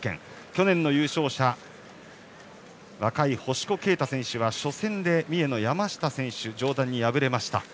去年の優勝者若い星子啓太選手は初戦で、上段の三重の山下選手に敗れました。